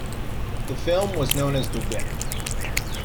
The film was known as "The Whip".